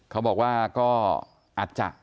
เขาบอกว่าก็อาจจะ